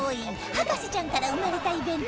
『博士ちゃん』から生まれたイベント